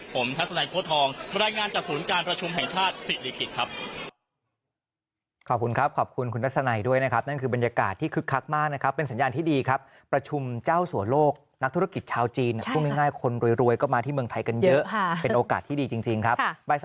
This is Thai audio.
ผมทัศนัยโค้ดทองรายงานจากศูนย์การประชุมแห่งชาติศิริกิจครับ